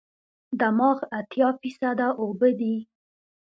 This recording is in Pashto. دماغ اتیا فیصده اوبه دي.